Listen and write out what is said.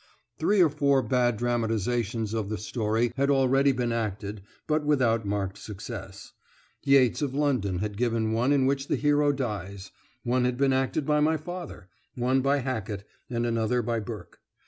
Three or four bad dramatisations of the story had already been acted, but without marked success, Yates of London had given one in which the hero dies, one had been acted by my father, one by Hackett, and another by Burke.